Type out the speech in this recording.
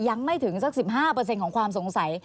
ยังไม่ถึงสัก๑๕ของความสงสัย